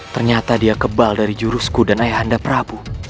ternyata dia kebal dari jurusku dan ayahanda prabu